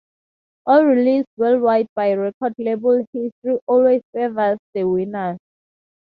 All released worldwide by record label History Always Favours the Winners.